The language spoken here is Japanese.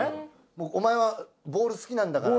お前はボール好きなんだから。